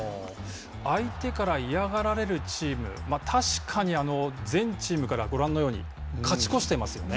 相手から嫌がられるチーム、確かに、全チームからご覧のように勝ち越していますよね。